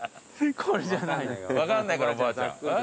「これじゃない」分かんないからおばあちゃん。